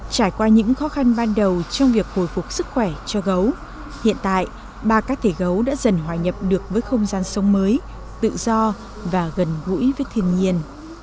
trải qua những khó khăn ban đầu trong việc hồi phục sức khỏe cho gấu hiện tại ba cá thể gấu đã dần hòa nhập được với không gian sống mới tự do và gần gũi với thiên nhiên